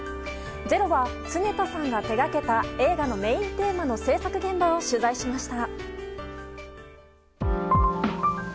「ｚｅｒｏ」は常田さんが手がけた映画のメインテーマの制作現場を取材しました。